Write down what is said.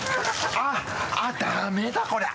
あっダメだこりゃ。